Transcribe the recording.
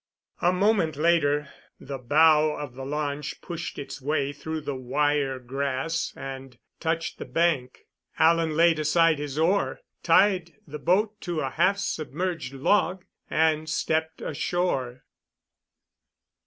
A moment later the bow of the launch pushed its way through the wire grass and touched the bank. Alan laid aside his oar, tied the boat to a half submerged log, and stepped ashore.